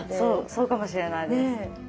そうかもしれないです。ねえ。